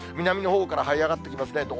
南のほうからはい上がってきますね。